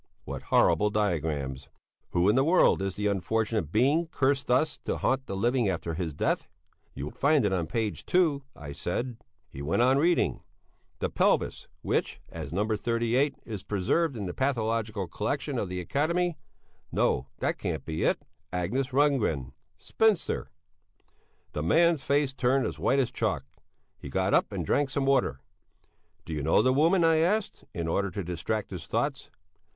What horrible diagrams! "Who in the world is the unfortunate being cursed thus to haunt the living after his death?" "You will find it on page 2," I said. He went on reading. "The pelvis which, as No. 38, is preserved in the pathological collection of the Academy...." No that can't be it. "Agnes Rundgren, spinster...." The man's face turned as white as chalk. He got up and drank some water. "Did you know the woman?" I asked, in order to distract his thoughts.